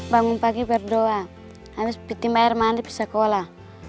bangun pagi berdoa habis pergi bayar mandi ke sekolah